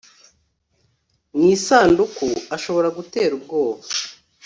Mu isanduku ashobora gutera ubwoba